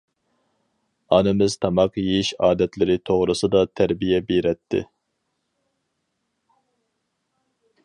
ئانىمىز تاماق يېيىش ئادەتلىرى توغرىسىدا تەربىيە بېرەتتى.